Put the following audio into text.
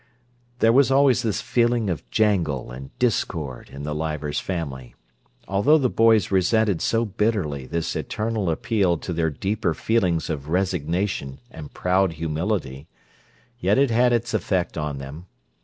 There was always this feeling of jangle and discord in the Leivers family. Although the boys resented so bitterly this eternal appeal to their deeper feelings of resignation and proud humility, yet it had its effect on them.